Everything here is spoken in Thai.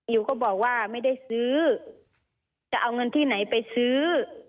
ก็บอกว่าไม่ได้ซื้อจะเอาเงินที่ไหนไปซื้อ